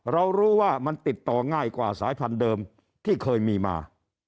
เรารู้ว่ามันติดต่อง่ายกว่าสายพันธุ์เดิมที่เคยมีมา